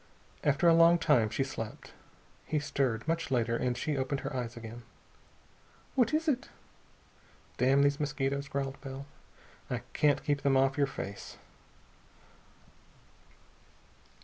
After a long time she slept. He stirred, much later, and she opened her eyes again. "What is it?" "Damn these mosquitos," growled Bell. "I can't keep them off your face!"